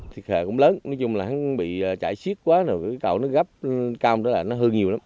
thực hệ cũng lớn nói chung là nó bị chải xiết quá cầu nó gấp cao nó hư nhiều lắm